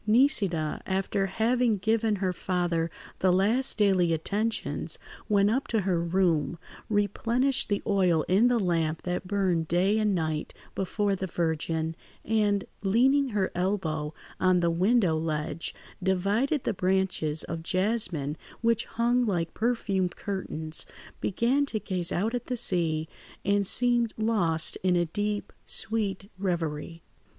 Nisida, after having given her father the last daily attentions, went up to her room, replenished the oil in the lamp that burned day and night before the Virgin, and, leaning her elbow on the window ledge, divided the branches of jasmine which hung like perfumed curtains, began to gaze out at the sea, and seemed lost in a deep, sweet reverie.